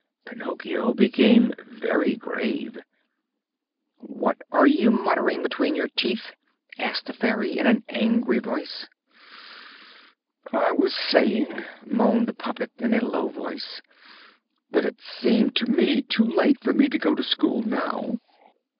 Pinocchio became very grave. "What are you muttering between your teeth?" asked the Fairy in an angry voice. "I was saying," moaned the puppet in a low voice, "that it seemed to me too late for me to go to school now."